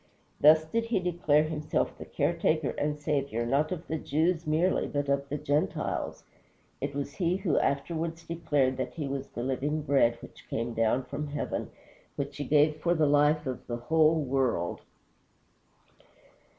Thus did he declare himself the Care taker and Saviour not of the Jews merely, but of the Gentiles. It was he who afterwards declared that he was the living bread which came down from heaven, which he gave for the life of the WHOLE WORLD.